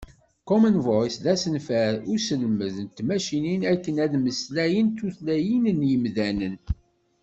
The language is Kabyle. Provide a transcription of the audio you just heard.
Common Voice d asenfar i uselmed n tmacinin akken ad mmeslayent tutlayin n yimdanen.